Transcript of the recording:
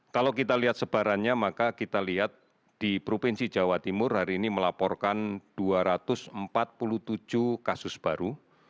kalau kita lihat sebarannya maka kita lihat di provinsi jawa timur hari ini melaporkan dua ratus empat puluh tujuh kasus baru